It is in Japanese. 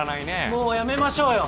もうやめましょうよ